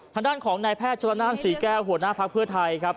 ทางด้านของนายแพทย์ชนละนานศรีแก้วหัวหน้าภักดิ์เพื่อไทยครับ